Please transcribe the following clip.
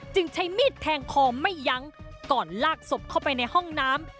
ใช้มีดแทงคอไม่ยั้งก่อนลากศพเข้าไปในห้องน้ำ